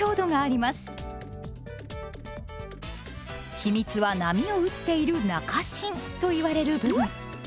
秘密は波を打っている中芯といわれる部分。